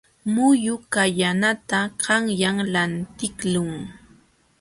Muyu kallanata qanyan lantiqlun.